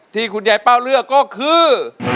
ที่คุณยายเป้าเลือกก็คือ